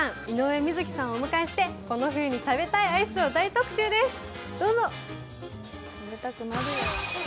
井上瑞稀さんをお迎えしてこの冬食べたいアイスを大特集です。